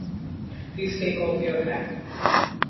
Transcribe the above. Please take off your hat?